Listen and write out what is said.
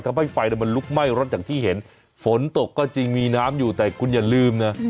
ทำให้ไฟมันลุกไหม้รถอย่างที่เห็นฝนตกก็จริงมีน้ำอยู่แต่คุณอย่าลืมนะ